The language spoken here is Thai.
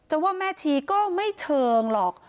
ว่าแม่ชีก็ไม่เชิงหรอก